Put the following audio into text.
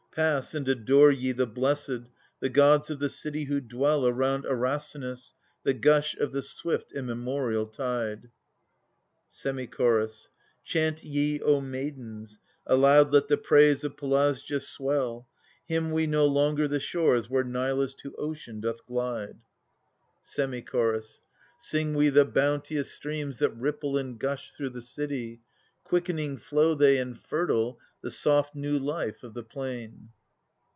Pass and adore ye the Blessed, the gods of the city who dwell Around Erasinus, the gush of the swift immemorial tide. Semi Chorus. Chant ye, O maidens; aloud let the praise of Pelasgia . swell ; '^J^ Hymn we no longer the shores where Nilus to ocean doth ( glide. THE SUPPLIANT MAIDENS. Semi Chorus. Sing we the bounteous stream^that ripple and gush through the city ; Quickening flow they and ferfiTeJthe soft new life of the plain.